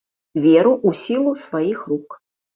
Веру ў сілу сваіх рук.